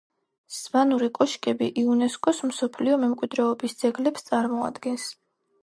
სვანური კოშკები იუნესკო-ს მსოფლიო მემკვიდრეობის ძეგლებს წარმოადგენს.